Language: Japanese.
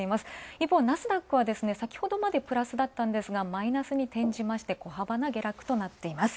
一方ナスダックはプラスだったんですが、マイナスに転じまして小幅な下落ととなっています。